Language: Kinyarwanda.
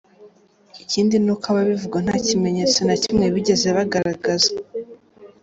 Ikindi ni uko ababivuga nta kimenyetso na kimwe bigeze bagaragaza.